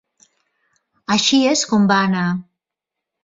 "així és com va anar".